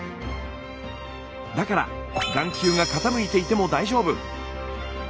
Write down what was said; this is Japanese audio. だから眼球が傾いていても大丈夫。